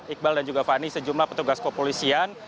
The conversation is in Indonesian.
iqbal dan juga fani sejumlah petugas kepolisian